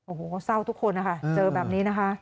โอ้โหเศร้าทุกคนนะคะเจอแบบนี้นะคะ